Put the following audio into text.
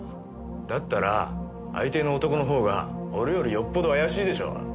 だったら相手の男の方が俺よりよっぽど怪しいでしょう。